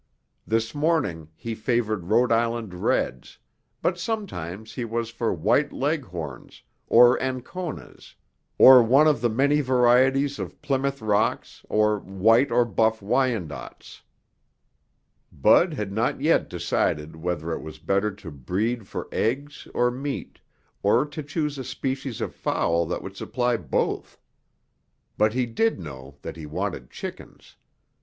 This morning he favored Rhode Island Reds, but sometimes he was for White Leghorns, or Anconas, or one of the many varieties of Plymouth Rocks or White or Buff Wyandottes. Bud had not yet decided whether it was better to breed for eggs or meat, or to choose a species of fowl that would supply both. But he did know that he wanted chickens.